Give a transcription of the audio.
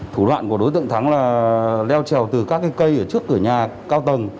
thủ đoạn của đối tượng thắng là leo trèo từ các cây ở trước cửa nhà cao tầng